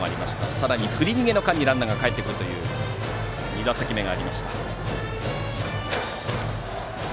さらには振り逃げの間にランナーがかえってくるという２打席目がありました。